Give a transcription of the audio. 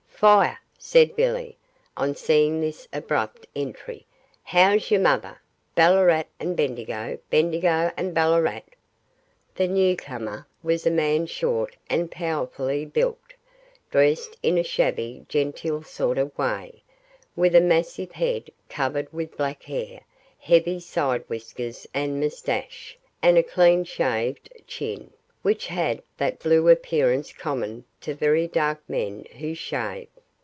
'Fire!' said Billy, on seeing this abrupt entry; 'how's your mother! Ballarat and Bendigo Bendigo and Ballarat.' The newcomer was a man short and powerfully built, dressed in a shabby genteel sort of way, with a massive head covered with black hair, heavy side whiskers and moustache, and a clean shaved chin, which had that blue appearance common to very dark men who shave.